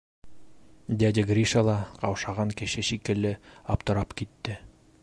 Дядя Гриша ла ҡаушаған кеше шикелле аптырап китте.